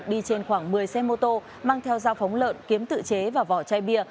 đi trên khoảng một mươi xe mô tô mang theo dao phóng lợn kiếm tự chế và vỏ chai bia